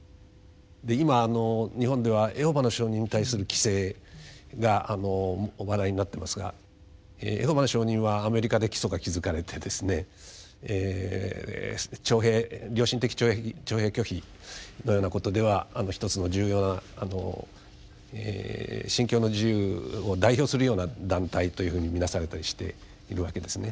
で今日本ではエホバの証人に対する規制が話題になってますがエホバの証人はアメリカで基礎が築かれてですねえ良心的徴兵拒否のようなことではひとつの重要な「信教の自由」を代表するような団体というふうに見なされたりしているわけですね。